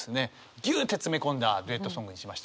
ぎゅって詰め込んだデュエットソングにしました。